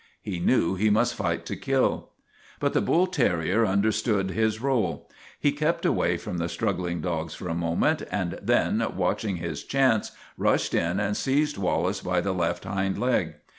He knew he must fight to kill. But ,the bull terrier understood his role. He kept away from the struggling dogs for a moment, and then, watching his chance, rushed in and seized Wal lace by the left hind leg.